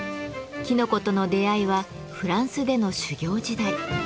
きのことの出会いはフランスでの修業時代。